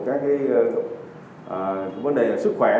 các vấn đề sức khỏe